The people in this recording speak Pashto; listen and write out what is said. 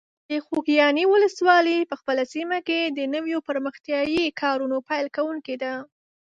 د خوږیاڼي ولسوالۍ په خپله سیمه کې د نویو پرمختیایي کارونو پیل کوونکی ده.